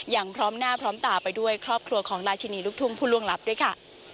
อย่างพร้อมหน้าพร้อมตาไปด้วยครอบครัวของราชินีลูกทุ่งผู้ล่วงลับด้วยค่ะ